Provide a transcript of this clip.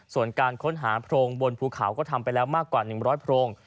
ส่วนการค้นหาโพรงบนภูเขาก็ทำไปแล้วมากกว่า๑๐๐โพรง